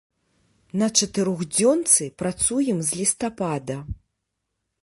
На чатырохдзёнцы працуем з лістапада.